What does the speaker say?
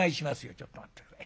「ちょっと待って下さい。